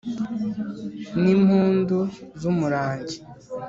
Ni impundu z'umurangi